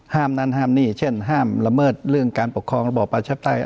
นั่นห้ามนี่เช่นห้ามละเมิดเรื่องการปกครองระบอบประชาปไตย